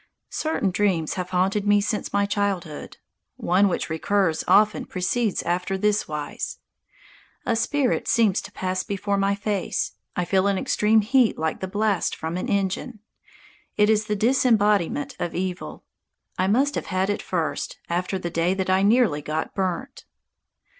Certain dreams have haunted me since my childhood. One which recurs often proceeds after this wise: A spirit seems to pass before my face. I feel an extreme heat like the blast from an engine. It is the embodiment of evil. I must have had it first after the day that I nearly got burnt.